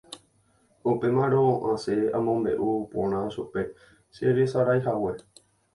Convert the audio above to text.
Upémarõ asẽ amombe'u porã chupe cheresaraihague.